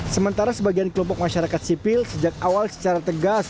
sementara sebagian kelompok masyarakat sipil sejak awal secara tegas